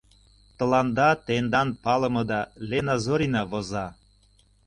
Тыланда тендан палымыда, Лена Зорина воза.